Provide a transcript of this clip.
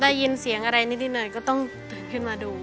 ได้ยินเสียงอะไรนิดหน่อยก็ต้องขึ้นมาดู